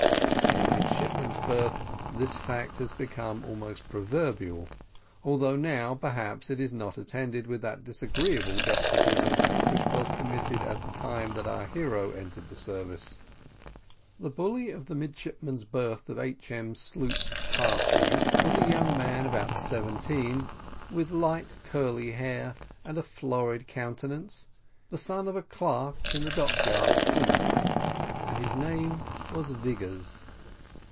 In a midshipman's berth this fact has become almost proverbial, although now perhaps it is not attended with that disagreeable despotism which was permitted at the time that our hero entered the service. The bully of the midshipman's berth of H.M. sloop Harpy was a young man about seventeen, with light, curly hair, and florid countenance, the son of the clerk in the dockyard at Plymouth, and his name was Vigors.